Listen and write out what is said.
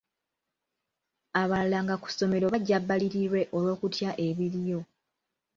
Abalala nga ku ssomero bajja bbalirirwe olw'okutya ebiriyo.